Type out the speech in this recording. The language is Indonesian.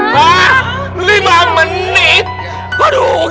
lima menit aduh gimana dong